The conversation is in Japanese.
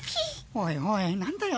おいおいなんだよ